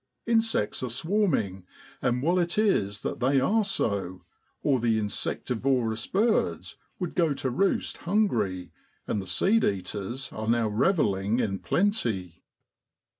Insects are swarming, and well it is they are so, or the insectivorous birds would go to roost hungry ; and the seed eaters are now revelling in plenty.